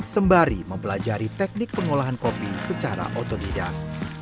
sembari mempelajari teknik pengolahan kopi secara otodidak